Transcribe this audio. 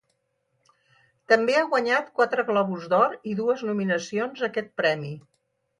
També ha guanyat quatre Globus d'Or i dues nominacions a aquest premi.